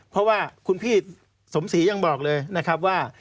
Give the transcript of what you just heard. เพราะว่าคุณพี่สมศรียังบอกเลยนะครับว่า